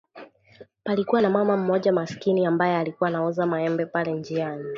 Palikua na mama mmoja maskini ambaye alikuwa anauza maembe pale njiani.